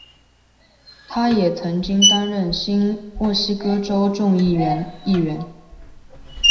他也曾经担任新墨西哥州众议院议员。